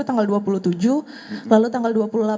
tanggal dua puluh tujuh lalu tanggal dua puluh delapan